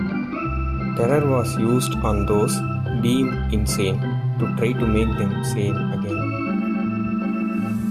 Terror was used on those deemed insane to try to make them sane again.